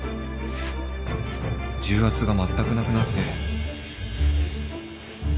重圧がまったくなくなって